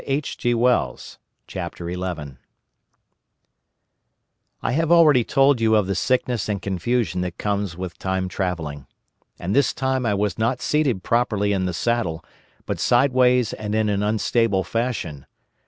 XIV. The Further Vision "I have already told you of the sickness and confusion that comes with time travelling. And this time I was not seated properly in the saddle, but sideways and in an unstable fashion.